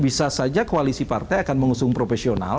bisa saja koalisi partai akan mengusung profesional